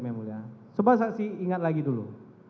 sebelum saksi ingat lagi dulu